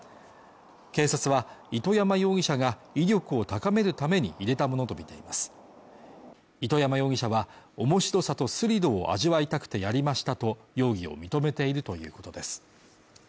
警察は糸山容疑者が威力を高めるために入れたものとみています糸山容疑者は面白さとスリルを味わいたくてやりましたと容疑を認めているということです